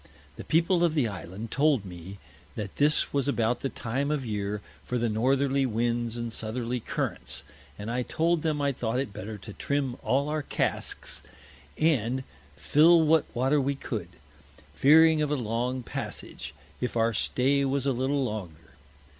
The People of the Island told me, that this was about the time of Year for the Northerly Winds and Southerly Currents, and I told him I thought it better to trim all our Casks, and fill what Water we could, fearing of a long Passage, if our Stay was a little longer.